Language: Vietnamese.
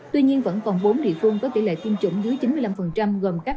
tuy nhiên vẫn còn bốn địa phương có tỷ lệ tiêm chủng dưới chín mươi năm